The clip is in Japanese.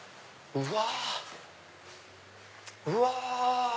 うわ！